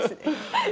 はい。